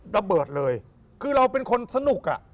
ระเบิดเลยคือเราเป็นคนสนุกอ่ะ